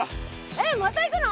えっまた行くの？